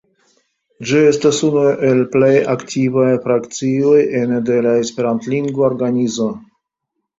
Ĝi estas unu el plej aktivaj frakcioj ene de la esperantlingva organizo.